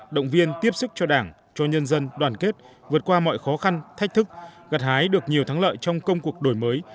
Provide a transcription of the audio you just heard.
động viên tiếp sức cho đảng cho nhân dân đoàn kết vượt qua mọi khó khăn thách thức gặt hái được nhiều thắng lợi trong công cuộc đổi mới